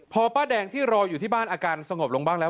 พอป้าแดงที่รออยู่ที่บ้านอาการสงบลงบ้างแล้ว